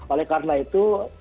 oleh karena itu